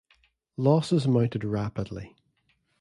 Losses mounted rapidly.